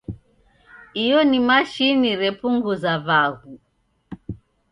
Io ni mashini repunguza vaghu.